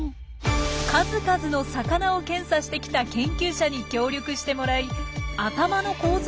数々の魚を検査してきた研究者に協力してもらい頭の構造を調べてみました。